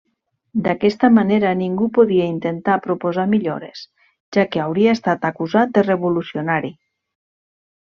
D'aquesta manera ningú podia intentar proposar millores, ja que hauria estat acusat de revolucionari.